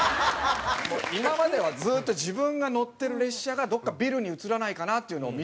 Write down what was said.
今まではずっと自分が乗ってる列車がどこかビルに映らないかな？っていうのを見てたんですね。